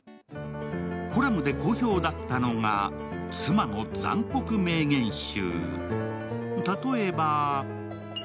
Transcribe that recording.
コラムで好評だったのが妻の残酷名言集。